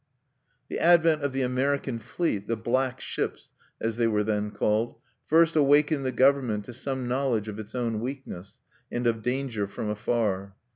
The advent of the American fleet, "the Black Ships," as they were then called, first awakened the government to some knowledge of its own weakness, and of danger from afar.